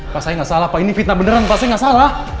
pak saya nggak salah pak ini fitnah beneran pak saya nggak salah